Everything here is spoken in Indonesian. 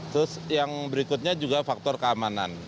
terus yang berikutnya juga faktor keamanan